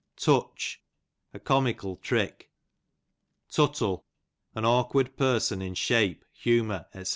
Tutoh, a comical trick. Tuttle, an aukKard person in shape, humour, £ c.